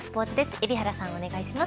海老原さん、お願いします。